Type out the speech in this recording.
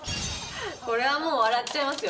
これはもう、笑っちゃいますよ。